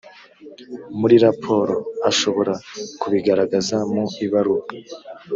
muri raporo ashobora kubigaragaza mu ibaruwa